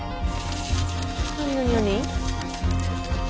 何何何？